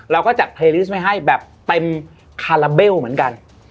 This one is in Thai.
เราก็จะเทรนฟังไม่ให้แบบเต็มคาราเบลเหมือนกัน